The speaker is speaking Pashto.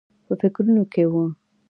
په فکرونو کې و.